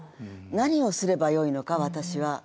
何をすればよいのか私は。